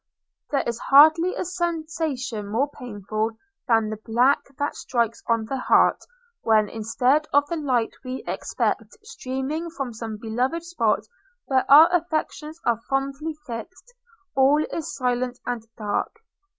There is hardly a sensation more painful than the blank that strikes on the heart, when, instead of the light we expect streaming from some beloved spot where our affections are fondly fixed, all is silent and dark.